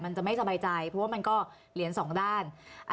มันจะไม่สบายใจเพราะว่ามันก็เหรียญสองด้าน